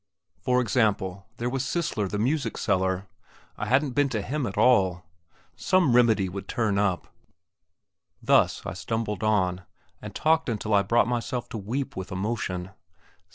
For example, there was Cisler the music seller; I hadn't been to him at all. Some remedy would turn up!.... Thus I stumbled on, and talked until I brought myself to weep with emotion.